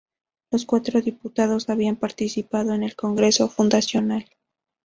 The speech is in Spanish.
Los cuatro diputados habían participado en el congreso fundacional.